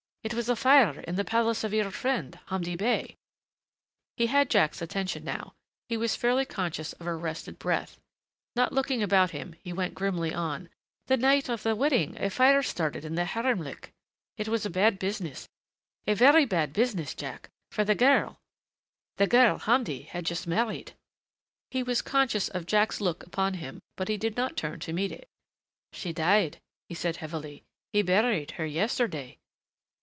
It was a fire in the palace of your friend, Hamdi Bey." He had Jack's attention now he was fairly conscious of arrested breath. Not looking about him he went grimly on, "The night of the wedding a fire started in the haremlik.... It was a bad business, a very bad business, Jack. For the girl the girl Hamdi had just married " He was conscious of Jack's look upon him but he did not turn to meet it. "She died," he said heavily. "He buried her yesterday."